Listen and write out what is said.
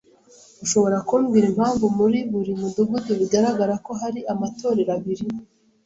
Ushobora kumbwira impamvu muri buri mudugudu bigaragara ko hari amatorero abiri?